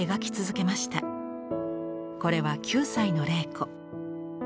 これは９歳の麗子。